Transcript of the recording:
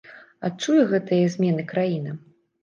Адчуе гэтыя змены краіна?